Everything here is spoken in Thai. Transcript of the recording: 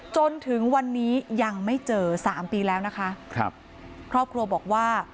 จนถึงวันนี้ยังไม่เจอสามปีแล้วนะคะครับครอบครัวบอกว่า